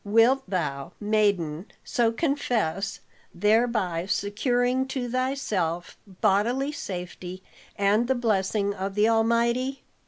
Wilt thou, maiden, so confess, thereby securing to thyself bodily safety and the blessing of the Almighty?"